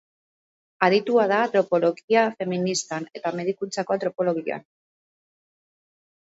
Aditua da antropologia feministan, eta medikuntzako antropologian.